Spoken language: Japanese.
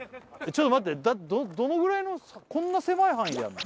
ちょっと待ってどのぐらいのこんな狭い範囲でやんの？